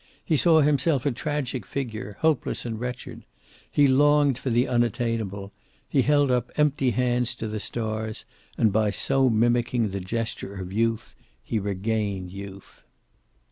He saw himself a tragic figure, hopeless and wretched. He longed for the unattainable; he held up empty hands to the stars, and by so mimicking the gesture of youth, he regained youth.